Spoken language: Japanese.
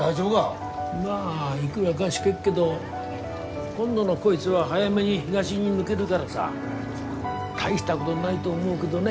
まあいくらかしけっけど今度のこいつは早めに東に抜げるからさ大したごどないと思うけどね